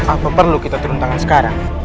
apa perlu kita turun tangan sekarang